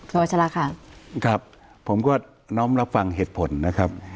ครับผมก็น้องรับฟังเหตุผลนะครับ